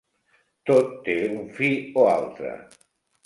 Tot té un fi o altre.